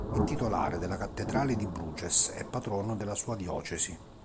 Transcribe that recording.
È titolare della cattedrale di Bruges e patrono della sua diocesi.